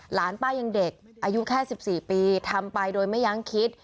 หลานป้ายังเด็กอายุแค่๑๔ปีทำไปโดยไม่ยังคิด